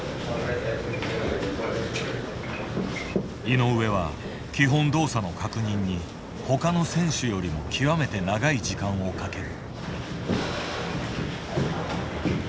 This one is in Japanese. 井上は、基本動作の確認に他の選手よりも極めて長い時間をかける。